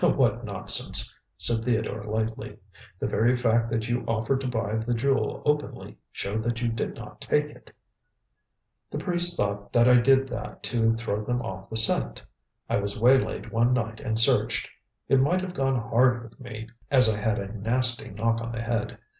"What nonsense!" said Theodore lightly. "The very fact that you offered to buy the jewel openly, showed that you did not take it." "The priests thought that I did that to throw them off the scent. I was waylaid one night and searched. It might have gone hard with me, as I had a nasty knock on the head.